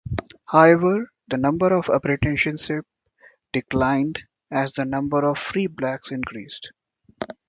However, the number of apprenticeships declined as the number of free blacks increased.